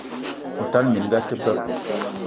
O tala minga a te beb!